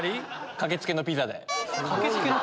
駆け付けのピザで。